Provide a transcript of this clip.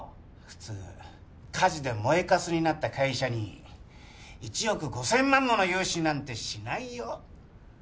普通火事で燃えかすになった会社に１億５０００万もの融資なんてしないよ